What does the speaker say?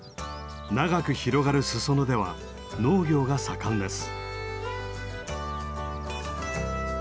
長く広がる裾野では農業が盛んです。